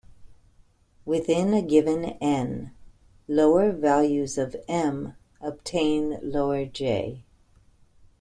Within a given "n", lower values of "m" obtain lower "j".